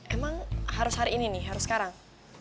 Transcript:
emang harus hari ini nih harus sekarang